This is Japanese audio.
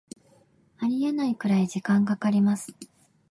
ありえないくらい時間かかります